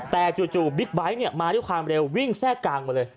แต่จู่บิ๊กไบท์เนี่ยมาที่คางเร็ววิ่งแทรกกลางไปเลย